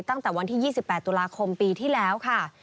ตั้งแต่วันที่๒๘ตุลาคมปีที่แล้วค่ะ